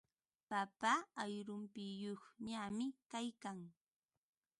Papa ayrumpiyuqñami kaykan.